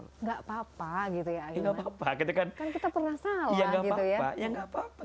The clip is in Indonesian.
ya tidak apa apa